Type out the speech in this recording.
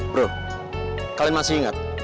bro kalian masih inget